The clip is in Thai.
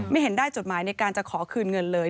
เห็นได้จดหมายในการจะขอคืนเงินเลย